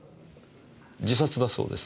自殺だそうです。